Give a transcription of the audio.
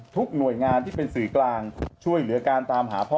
หน่วยงานที่เป็นสื่อกลางช่วยเหลือการตามหาพ่อ